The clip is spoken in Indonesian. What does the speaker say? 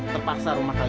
terpaksa rumah tersebut